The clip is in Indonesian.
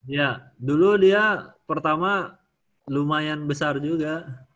ya dulu dia pertama lumayan besar juga